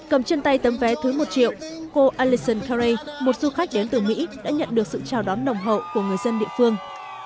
cầm trên tay tấm vé thứ một triệu cô alison carey một du khách đến từ mỹ đã nhận được sự chào đón đồng hậu của người dân địa phương